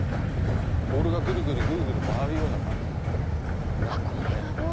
ボールがぐるぐるぐるぐる回るような感じになるんですね。